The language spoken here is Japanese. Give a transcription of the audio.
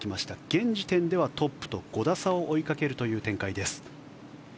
現時点ではトップと５打差を追いかけるという展開です。